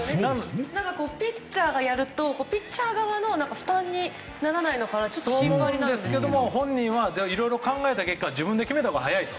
ピッチャーがやるとピッチャー側の負担にならないのか本人はいろいろ考えた結果自分で決めたほうが早いと。